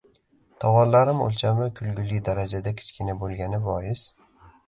Tovonlarim o‘lchami kulgili darajada kichkina bo‘lgani bois